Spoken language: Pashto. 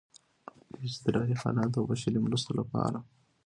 د اضطراري حالاتو او بشري مرستو لپاره